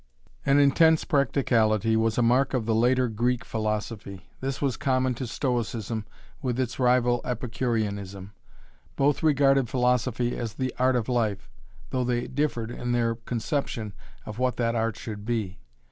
An intense practicality was a mark of the later Greek philosophy. This was common to Stoicism with its rival Epicureanism. Both regarded philosophy as 'the art of life,' though they differed in their conception of what that art should be.